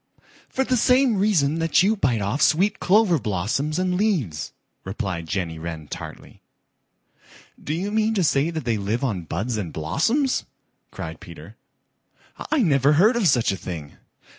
"For the same reason that you bite off sweet clover blossoms and leaves," replied Jenny Wren tartly. "Do you mean to say that they live on buds and blossoms?" cried Peter. "I never heard of such a thing."